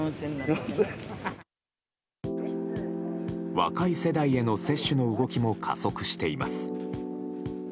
若い世代への接種の動きも加速しています。